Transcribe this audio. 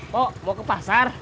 pok mau ke pasar